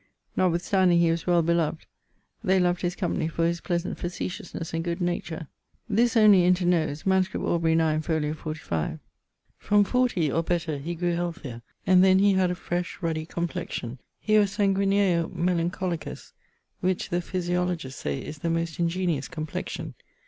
Notwithstanding he was well beloved: they lov'd his company for his pleasant facetiousnes and good nature. [CXXI.] This only inter nos. MS. Aubr. 9, fol. 45ᵛ. From forty, or better, he grew healthier, and then he had a fresh, ruddy, complexion. He was sanguineo melancholicus; which the physiologers say is the most ingeniose complexion.